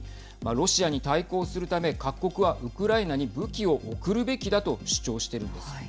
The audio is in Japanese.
ロシアに対抗するため各国はウクライナに武器を送るべきだと主張してるんです。